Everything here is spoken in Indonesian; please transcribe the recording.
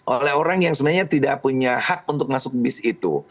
oleh orang yang sebenarnya tidak punya hak untuk masuk bis itu